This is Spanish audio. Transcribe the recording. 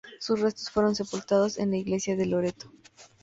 Sus restos fueron sepultados en la iglesia de Loreto.